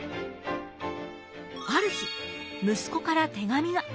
ある日息子から手紙が。